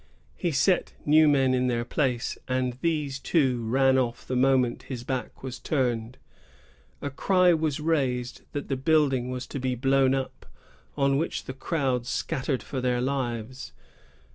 He sent new men in their place, and these too ran off the moment his back was turned. A cry was raised that the building was to be blown up, on which the crowd scattered for their 188 MORALS AND MANNERS. [1700 63. lives.